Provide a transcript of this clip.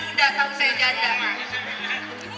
tidak tahu saya jajan